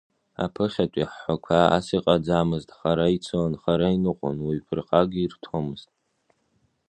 Аԥыхьатәи ҳҳәақәа ас иҟаӡамызт, хара ицон, хара иныҟәон, уаҩ ԥырхага ирҭомызт…